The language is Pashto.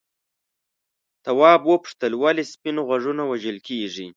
تواب وپوښتل ولې سپین غوږونه وژل کیږي.